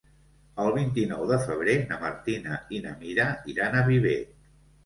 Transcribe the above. El vint-i-nou de febrer na Martina i na Mira iran a Viver.